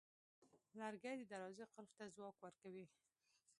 لرګی د دروازې قلف ته ځواک ورکوي.